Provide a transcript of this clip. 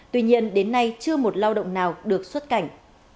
tuy nhiên đến nay chưa một lao động nào được xuất cảnh